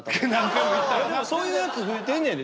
でもそういうやつ増えてんねんで。